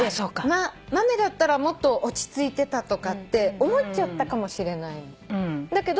豆だったらもっと落ち着いてたとかって思っちゃったかもしれないの。